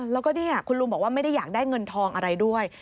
แล้วก็เนี่ยคุณลุงบอกว่าไม่ได้อยากได้เงินทองอะไรด้วย